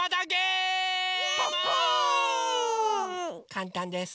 かんたんです。